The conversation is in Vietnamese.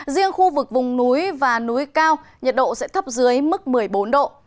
riêng khu vực vùng núi và núi cao nhiệt độ sẽ thấp dưới mức một mươi bốn độ